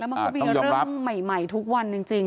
มันก็มีเรื่องใหม่ทุกวันจริง